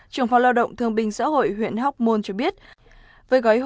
một trăm năm mươi sáu trường hợp được hỗ trợ